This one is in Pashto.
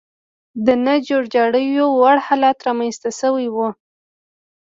د نه جوړجاړي وړ حالت رامنځته شوی و.